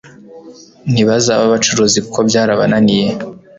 Ntibazaba abacuruzi kuko byarabananiye